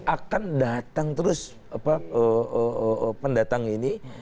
akan datang terus pendatang ini